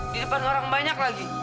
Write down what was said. di depan orang banyak lagi